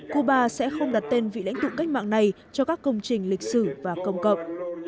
cuba sẽ không đặt tên vị lãnh tụ cách mạng này cho các công trình lịch sử và công cộng